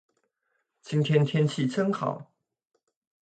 今天天气真好。